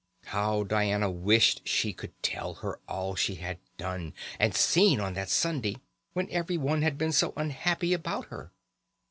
How Diana wished she could tell her all she had done and seen on that Sunday when everyone had been so unhappy about her!